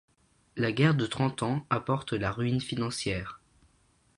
La guerre de Trente Ans apporte la ruine financière.